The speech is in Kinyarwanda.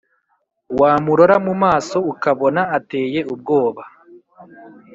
Wamurora mu maso ukabona ateye ubwoba